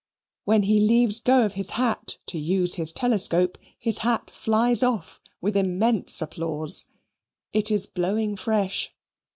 When he leaves go of his hat to use his telescope, his hat flies off, with immense applause. It is blowing fresh.